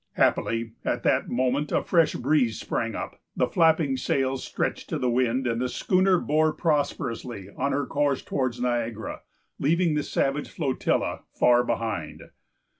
Happily, at that moment a fresh breeze sprang up; the flapping sails stretched to the wind, and the schooner bore prosperously on her course towards Niagara, leaving the savage flotilla far behind.